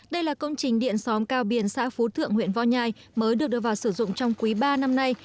đây là công trình điện xóm cao biển xã phú thượng huyện vo nhai mới được đưa vào sử dụng trong quý ba năm nay